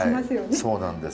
そうなんです。